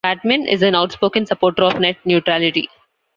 Bateman is an outspoken supporter of net neutrality.